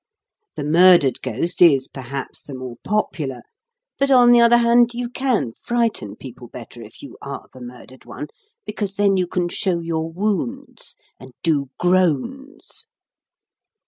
The murdered ghost is, perhaps, the more popular; but, on the other hand, you can frighten people better if you are the murdered one, because then you can show your wounds and do groans.